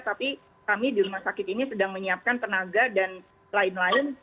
tapi kami di rumah sakit ini sedang menyiapkan tenaga dan lain lain